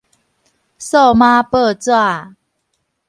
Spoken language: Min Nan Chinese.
數碼報紙